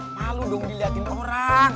malu dong dilihatin orang